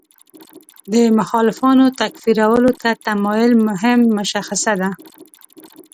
د مخالفانو تکفیرولو ته تمایل مهم مشخصه ده.